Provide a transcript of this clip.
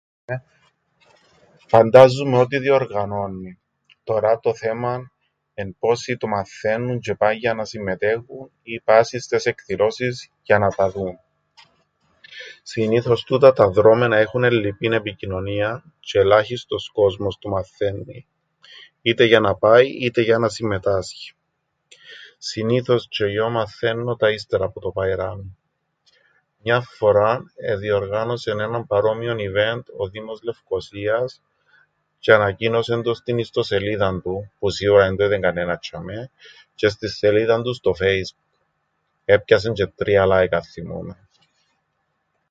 Φαντάζουμαι ότι διοργανώννει. Τωρά το θέμαν εν' πόσοι το μαθαίννουν τζ̆αι παν για να συμμετέχουν ή πάσιν στες εκδηλώσεις για να τα δουν. Συνήθως τούτα δρώμενα έχουν ελλειπήν επικοινωνίαν τζ̆αι ελάχιστος κόσμος το μαθαίννει είτε για να πάει είτε για να συμμετάσχει. Συνήθως τζ̆ι εγιώ μαθαίννω το ύστερα που το παϊράμιν. Μιαν φοράν εδιοργάνωσεν έναν παρόμοιον event ο δήμος Λευκωσίας τζ̆αι ανακοίνωσεν το στην ιστοσελίδαν του, που σίουρα εν το είδεν κανένας τζ̆ειαμαί, τζ̆αι στην σελίδαν του στο Facebook. Έπιασεν τζ̆αι 3 like αθθυμούμαι.